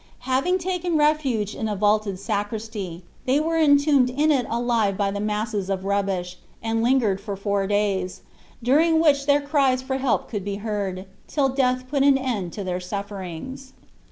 Having taken refuge in a vaulted sacristy, they were entombed in it alive by the masses of rubbish, and lingered for four days, during which their cries for help could be heard, till death put an end to their sufferings.